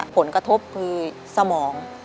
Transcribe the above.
ผลกระทบคือสมอง